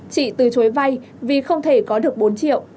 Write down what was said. chị từ chối vay vì không thể có được bốn triệu